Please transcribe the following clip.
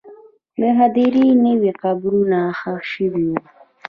د هدیرې نوې قبرونه ښخ شوي وو.